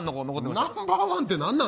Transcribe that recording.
ナンバー１って何なん？